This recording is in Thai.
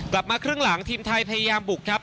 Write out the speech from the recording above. กลับมาครึ่งหลังทีมไทยพยายามบุกครับ